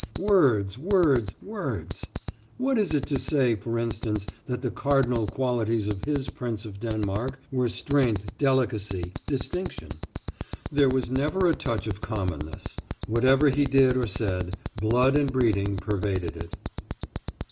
"Words, words, words!" What is it to say, for instance, that the cardinal qualities of his Prince of Denmark were strength, delicacy, distinction? There was never a touch of commonness. Whatever he did or said, blood and breeding pervaded it.